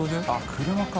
車か。